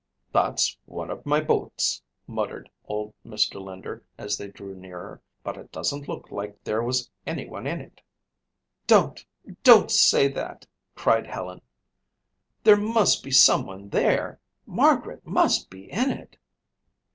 "That's one of my boats," muttered old Mr. Linder as they drew nearer, "but it doesn't look like there was anyone in it." "Don't, don't say that!" cried Helen. "There must be someone there. Margaret must be in it!"